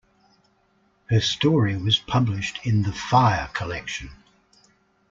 Her story was published in the 'Fire' collection.